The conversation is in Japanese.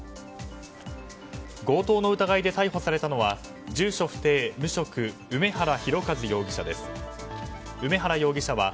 強盗の疑いで逮捕されたのは住所不定・無職梅原裕和容疑者です。